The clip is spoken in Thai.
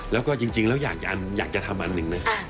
แล้วก็จริงแล้วอยากจะทำอันหนึ่งนะ